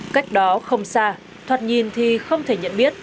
cách đó không xa thoạt nhìn thì không thể nhận biết